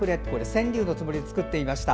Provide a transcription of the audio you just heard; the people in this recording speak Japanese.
川柳のつもりで作っていました。